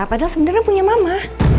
padahal sebenarnya punya mama